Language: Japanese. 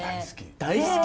大好き。